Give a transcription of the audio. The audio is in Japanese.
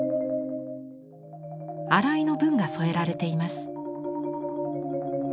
荒井の文が添えられています。